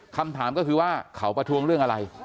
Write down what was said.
คำถามก็คือว่าเขาประท้วงเรื่องอะไร